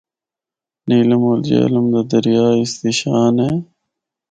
نیلم اور جہلم دا دریا اس دی شان اے۔